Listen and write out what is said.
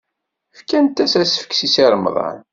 Fkant-as asefk i Si Remḍan.